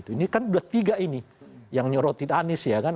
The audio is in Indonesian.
ini kan udah tiga ini yang nyorotin anies ya kan